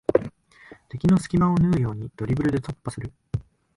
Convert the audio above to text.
敵の隙間を縫うようにドリブルで突破する